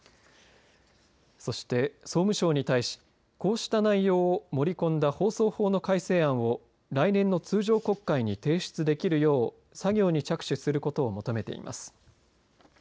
そして、総務省に対しこうした内容を盛り込んだ放送法の改正案を来年の通常国会に提出できるよう作業に着手することを求めています。